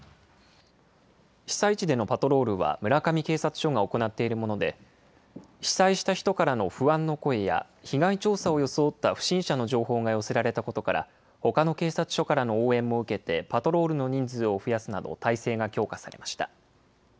被災地でのパトロールは、村上警察署が行っているもので、被災した人からの不安の声や、被害調査を装った不審者の情報が寄せられたことから、ほかの警察署からの応援も受けて、パトロールの人数を増やすなど態勢が強化されました。